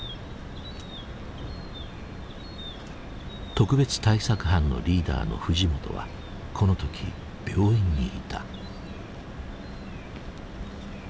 特別対策班のリーダーの藤本はこの時病院にいた。